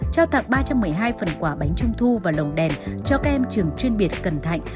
trao tặng ba trăm một mươi hai phần quả bánh trung thu và lồng đèn cho các em trường chuyên biệt cần thạnh